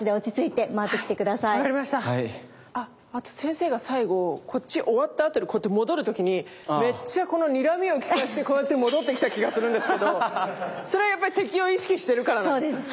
あと先生が最後こっち終わったあとにこうやって戻る時にめっちゃこのにらみをきかせてこうやって戻ってきた気がするんですけどそれはやっぱり敵を意識してるからなんですか？